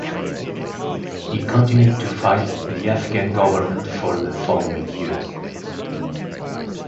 He continued to fight the Afghan government for the following years.